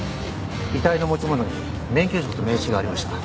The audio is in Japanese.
遺体の持ち物に免許証と名刺がありました。